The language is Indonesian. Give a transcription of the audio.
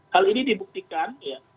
hal ini dibuktikan